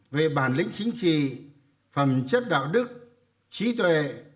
về bản lĩnh chính trị phẩm chất đạo đức trí tuệ